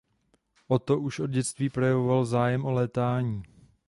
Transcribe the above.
Otto už od dětství projevoval zájem o létání.